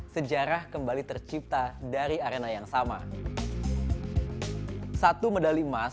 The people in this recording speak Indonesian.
sejarah kembali tercipta dan berubah menjadi sebuah kegembiraan yang beruntungan untuk indonesia di ajang olimpiade